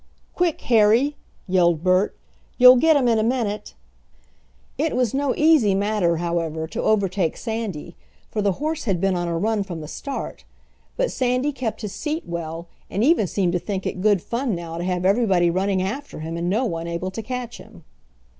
"Quick, Harry!" yelled Bert. "You'll get him in a minute." It was no easy matter, however, to overtake Sandy, for the horse had been on a run from the start. But Sandy kept his seat well, and even seemed to think it good fun now to have everybody running after him and no one able to catch him.